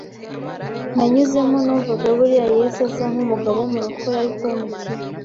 nanyuzemo numvaga buriya Yesu azampa umugabo w’umurokore ariko w’umukire,